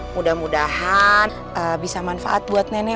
mudah mudahan bisa manfaat buat nenek